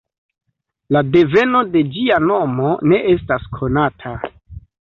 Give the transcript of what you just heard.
La deveno de ĝia nomo ne estas konata.